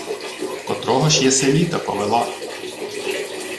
— Котрого ж єси літа повела?